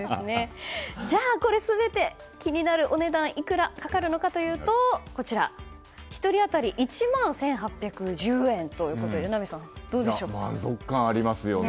じゃあ、これ全て気になるお値段はいくらかかるかというと１人当たり１万１８１０円ということで満足感、ありますよね。